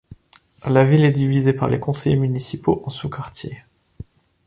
La ville est divisée par les conseillers municipaux en sous-quartiers.